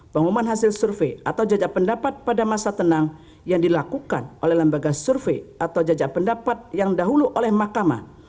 pengumuman hasil survei atau jajak pendapat pada masa tenang yang dilakukan oleh lembaga survei atau jajak pendapat yang dahulu oleh makamah